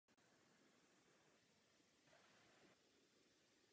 Komise by tento úkol měla splnit svědomitě a včas.